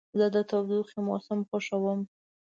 زه د تودوخې موسم خوښوم.